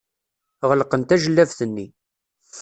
Ɣelqen tajellabt-nni.